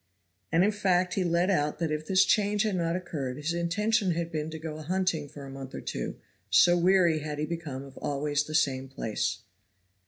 And in fact he let out that if this change had not occurred his intention had been to go a hunting for a month or two, so weary had he become of always the same place.